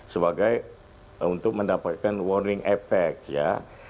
sebagai untuk mendapatkan warning effect ya